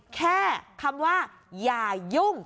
แค่คำว่าอย่ายุ่ง